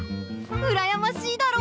うらやましいだろ！